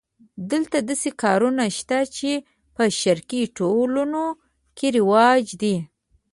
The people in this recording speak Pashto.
دلته داسې کارونه شته چې په شرقي ټولنو کې رواج دي.